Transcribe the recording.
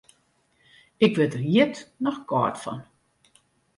Ik wurd der hjit noch kâld fan.